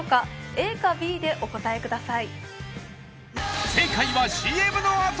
ＡかＢでお答えください